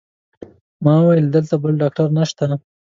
ما وویل: دلته بل ډاکټر نشته؟